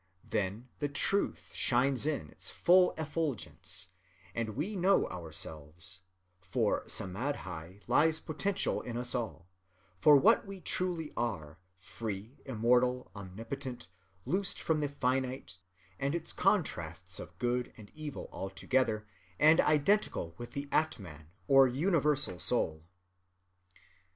Then the Truth shines in its full effulgence, and we know ourselves—for Samâdhi lies potential in us all—for what we truly are, free, immortal, omnipotent, loosed from the finite, and its contrasts of good and evil altogether, and identical with the Atman or Universal Soul."